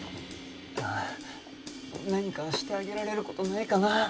ああ何かしてあげられる事ないかな？